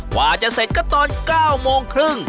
กว่าจะเสร็จก็ตอน๙โมงครึ่ง